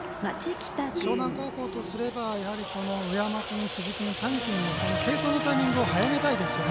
樟南高校とすれば上山君、辻君、谷君の継投のタイミングを早めたいですよね。